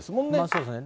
そうですね。